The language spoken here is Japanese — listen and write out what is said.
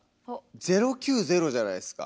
「０９０」じゃないっすか。